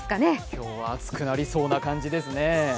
今日は暑くなりそうな感じですね。